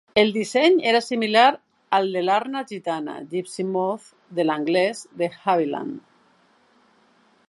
El disseny era similar al de l'Arna Gitana (Gipsy Moth, de l'anglès) de Havilland.